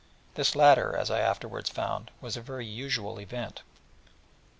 This latter, as I afterwards found, was a very usual event.